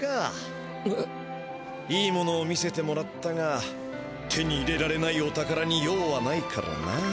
いいものを見せてもらったが手に入れられないお宝に用はないからな。